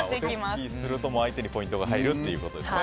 お手つきすると相手にポイントが入るということですね。